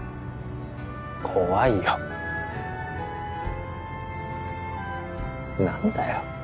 怖いよ何だよ